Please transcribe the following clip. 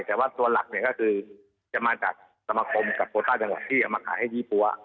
แต่ว่าตัวหลักเนี่ยก็คือจะมาจากสมคมกับโคต้าจังหวัดที่เอามาขายให้ยี่ปั๊ว